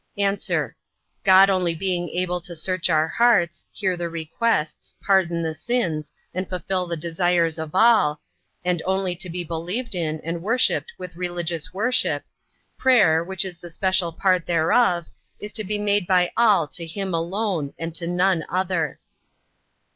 A. God only being able to search the hearts, hear the requests, pardon the sins, and fulfill the desires of all; and only to be believed in, and worshiped with religious worship; prayer, which is a special part thereof, is to be made by all to him alone, and to none other.